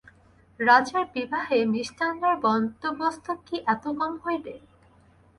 রাজার বিবাহে মিষ্টান্নের বন্দোবস্ত কি এত কম হইবে?